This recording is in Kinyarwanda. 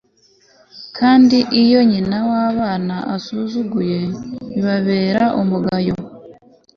kandi iyo nyina w'abana asuzuguwe, bibabera umugayo